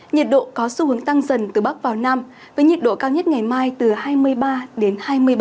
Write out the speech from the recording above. nhiệt độ có xu hướng tăng dần từ bắc vào nam với nhiệt độ cao nhất ngày mai từ hai mươi ba đến hai mươi bảy độ